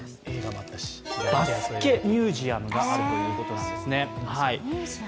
バスケミュージアムということなんですね。